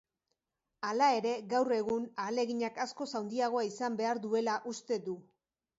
Hala ere, gaur egun ahaleginak askoz handiagoa izan behar duela uste du.